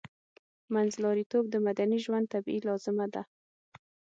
منځلاریتوب د مدني ژوند طبیعي لازمه ده